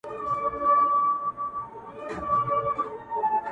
• دادی بیا نمک پاسي ده ـ پر زخمونو د ځپلو ـ